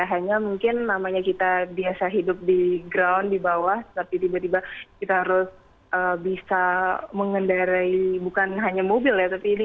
hanya mungkin namanya kita biasa hidup di ground di bawah tapi tiba tiba kita harus bisa mengendarai bukan hanya mobil ya